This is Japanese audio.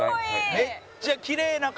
「めっちゃきれいな顔」